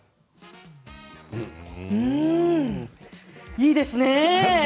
いいですね。